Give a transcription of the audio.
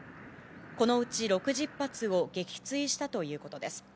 このうち６０発を撃墜したということです。